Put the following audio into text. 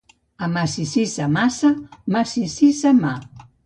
A massissa massa, massisa mà.